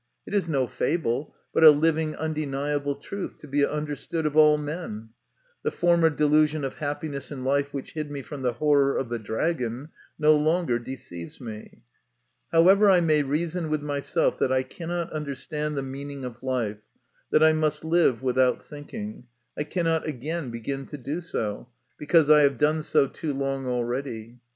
It is no fable, but a living, undeniable truth, to be understood of all men. The former delusion of happiness in life which hid from me the horror of the dragon no longer deceives me. However I may reason with myself that I cannot understand the meaning of life, that I must live without thinking, I cannot again begin to do so, because I have done so too long already.